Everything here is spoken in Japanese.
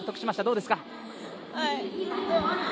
どうですか？